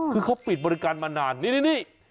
คือเขาปิดบริการมานานนี่